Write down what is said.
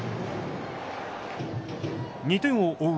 ２点を追う